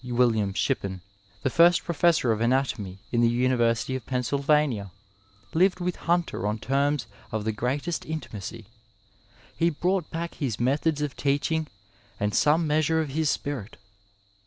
William Shippen, the first Professor of Anatomy in the Uniyersity of Pennsylvania, lived with Hunter on terms of the greatest intimacy. He brought back his methods of teaching and some measure of his spirit.